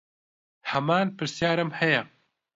هەمان پرسیارم هەیە.